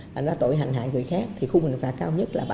và nó tội hành hạ người khác thì khung hình phạt cao nhất là ba năm